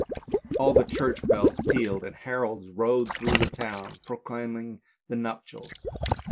All the church bells pealed and heralds rode through the town proclaiming the nuptials.